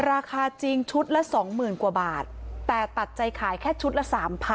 ราคาจริงชุดละสองหมื่นกว่าบาทแต่ตัดใจขายแค่ชุดละ๓๐๐๐